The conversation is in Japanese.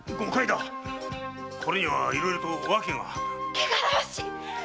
汚らわしい！